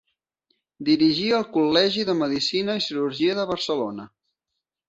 Dirigí el Col·legi de Medicina i Cirurgia de Barcelona.